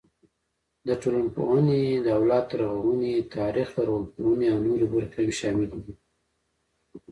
د ټولنپوهنې، دولت رغونې، تاریخ، لرغونپوهنې او نورې برخې هم شاملې دي.